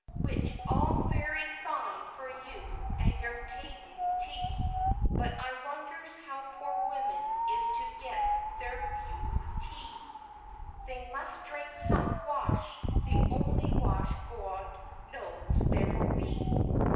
Which is all verry Fine for you and your Patent Tea, But I wonders How Poor Wommen is to get Their Beau He! They must drink Hunt wash (the only wash God nose there will be!)